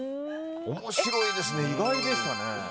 面白いですね、意外でしたね。